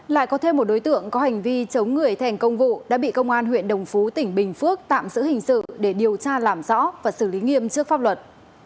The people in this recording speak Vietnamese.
lại có thêm một đối tượng có hành vi chống người thành công vụ đã bị công an huyện đồng phú tỉnh bình phước tạm giữ hình sự để điều tra làm rõ và xử lý nghiêm trước pháp luật